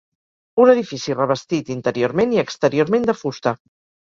Un edifici revestit interiorment i exteriorment de fusta.